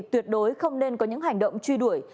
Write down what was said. tuyệt đối không nên có những hành động truy đuổi